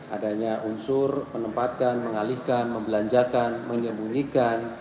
adanya unsur menempatkan mengalihkan membelanjakan menyembunyikan